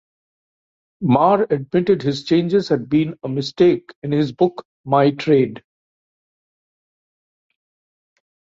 Marr admitted his changes had been a mistake in his book, "My Trade".